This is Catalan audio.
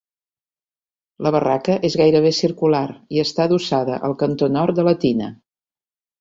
La barraca és gairebé circular i està adossada al cantó nord de la tina.